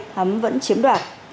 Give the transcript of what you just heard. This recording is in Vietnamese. thắm vẫn chiếm đoạt